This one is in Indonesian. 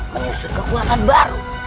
menyusun kekuatan baru